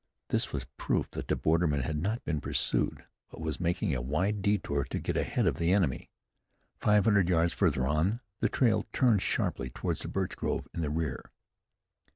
This was proof that the borderman had not been pursued, but was making a wide detour to get ahead of the enemy. Five hundred yards farther on the trail turned sharply toward the birch grove in the rear.